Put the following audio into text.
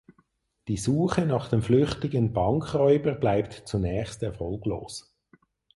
Die Suche nach dem flüchtigen Bankräuber bleibt zunächst erfolglos.